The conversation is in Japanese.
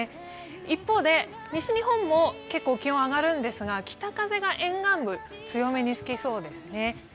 一方で、西日本も結構、気温が上がるんですが、北風が沿岸部、強めに吹きそうですね。